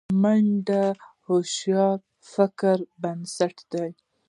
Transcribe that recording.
منډه د هوښیار فکر بنسټ دی